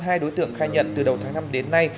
hai đối tượng khai nhận từ đầu tháng năm đến nay